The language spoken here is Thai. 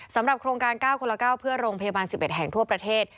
สำหรับโครงการเก้าคนละเก้าเพื่อโรงพยาบาล๑๑แห่งทั่วประเทศ